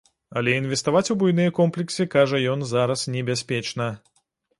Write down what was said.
Але інвеставаць у буйныя комплексы, кажа ён, зараз небяспечна.